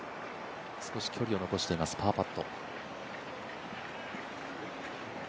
少し距離を残していますパーパット。